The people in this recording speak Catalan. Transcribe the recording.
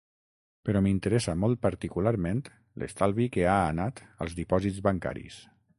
Però m’interessa molt particularment l’estalvi que ha anat als dipòsits bancaris.